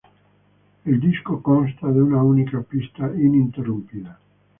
El disco consta de una única pista ininterrumpida.